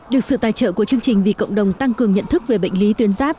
được sự tài trợ của chương trình vì cộng đồng tăng cường nhận thức về bệnh lý tuyến giáp